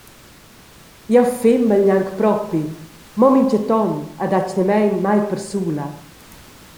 Jeu femel gnanc propi, mo mintgaton ed atgnamein mai persula.